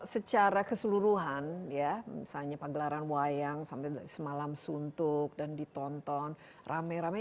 secara keseluruhan ya misalnya pagelaran wayang sampai semalam suntuk dan ditonton rame rame